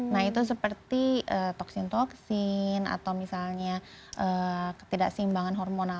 nah itu seperti toksin toksin atau misalnya ketidakseimbangan hormonal